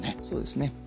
そうですね。